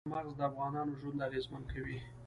چار مغز د افغانانو ژوند اغېزمن کوي.